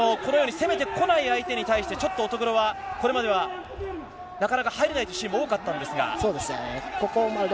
攻めてこない相手に対してちょっと乙黒、これまではなかなか入れないシーンも多かったんですが。